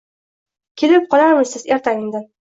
Kelib qolarmishsiz ertami-indin